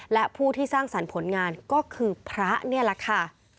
และผู้ที่สร้างสรรค์ผลงานก็คือพระนี่แหละค่ะ